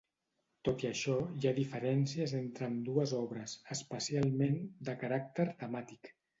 Tot i això, hi ha diferències entre ambdues obres, especialment, de caràcter temàtic.